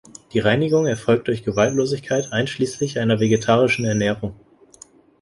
Die Reinigung erfolgt durch Gewaltlosigkeit einschließlich einer vegetarischen Ernährung.